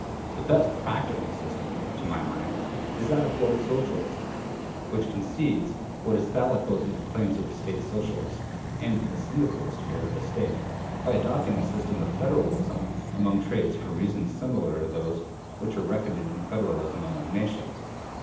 The BEST practicable system, to my mind, is that of Guild Socialism, which concedes what is valid both in the claims of the State Socialists and in the Syndicalist fear of the State, by adopting a system of federalism among trades for reasons similar to those which are recommending federalism among nations.